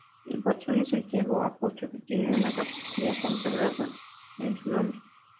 El patrón es Santiago Apóstol que tiene una capilla consagrada en su nombre.